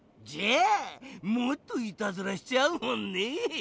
じゃあもっといたずらしちゃうもんねぇ！